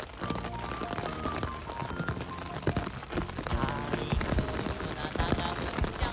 「たいくつなながぐっちゃん！！」